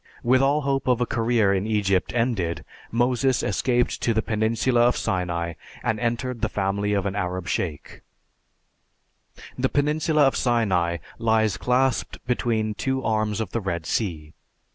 With all hope of a career in Egypt ended, Moses escaped to the Peninsula of Sinai, and entered the family of an Arab sheik. The Peninsula of Sinai lies clasped between two arms of the Red Sea.